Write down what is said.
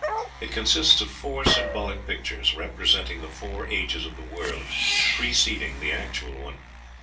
It consists of four symbolic pictures, representing the four ages of the world preceding the actual one.